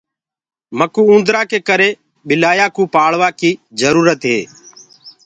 مڪوُ اُوندرآ ڪي ڪري ٻلآيآ ڪوُ پآݪوآ ڪي جرُورت هي۔